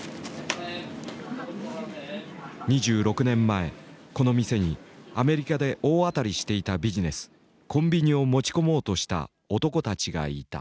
２６年前この店にアメリカで大当たりしていたビジネス「コンビニ」を持ち込もうとした男たちがいた。